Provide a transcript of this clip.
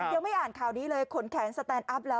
ยังไม่อ่านข่าวนี้เลยขนแขนสแตนอัพแล้ว